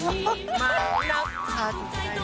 เวลาไม่มีมารับทัน